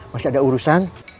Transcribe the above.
masih ada urusan